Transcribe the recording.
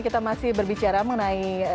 kita masih berbicara mengenai